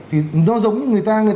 thì nó giống như người ta nghĩ